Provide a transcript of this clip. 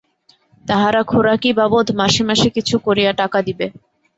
তাহারা খোরাকি-বাবদ মাসে মাসে কিছু করিয়া টাকা দিবে।